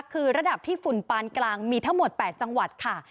คือระดับที่ฝุ่นปานกลางมีทั้งหมด๘จังหวัดค่ะ